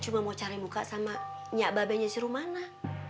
cuma mau cari muka sama nyak babenya si rumana